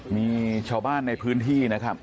มีชาวบ้านในพื้นที่นะครับ